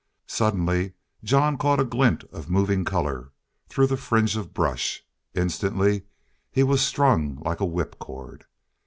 Suddenly Jean caught a glint of moving color through the fringe of brush. Instantly he was strung like a whipcord.